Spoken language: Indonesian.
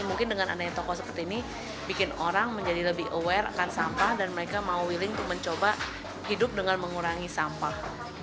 mungkin dengan adanya toko seperti ini bikin orang menjadi lebih aware akan sampah dan mereka mau willing untuk mencoba hidup dengan mengurangi sampah